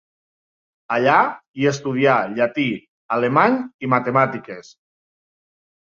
Allà hi estudià llatí, alemany i matemàtiques.